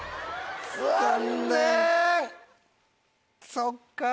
そっか。